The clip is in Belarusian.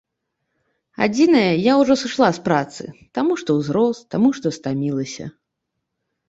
Адзінае, я ўжо сышла з працы, таму што ўзрост, таму што стамілася.